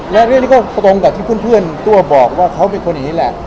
และเรื่องนี้ก็ตรงกับที่เพื่อนตัวบอกว่าเขาเป็นคนอย่างนี้แหละ